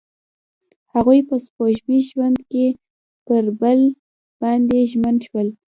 هغوی په سپوږمیز ژوند کې پر بل باندې ژمن شول.